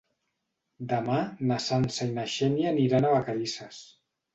Demà na Sança i na Xènia aniran a Vacarisses.